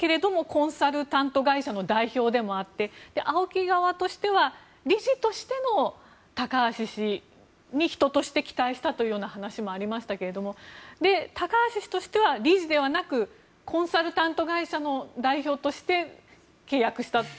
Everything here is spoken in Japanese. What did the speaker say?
コンサルタント会社の代表でもあってＡＯＫＩ側としては理事としての高橋氏に人として期待したという話もありましたが高橋氏としては理事ではなくコンサルタント会社の代表として契約したと。